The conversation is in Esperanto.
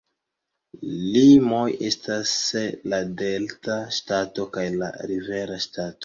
Limoj estas la Delta Ŝtato kaj la Rivera Ŝtato.